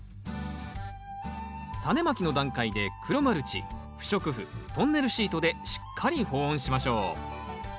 タネまきの段階で黒マルチ不織布トンネルシートでしっかり保温しましょう。